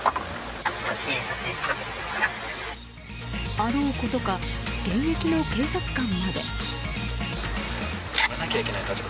あろうことか現役の警察官まで。